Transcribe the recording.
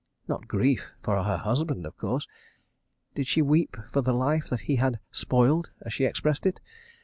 not grief for her husband of course. Did she weep for the life that he had "spoilt" as she expressed it?